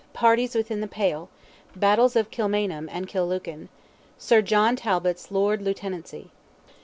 PARTIES WITHIN "THE PALE"—BATTLES OF KILMAINHAM AND KILLUCAN—SIR JOHN TALBOT'S LORD LIEUTENANCY.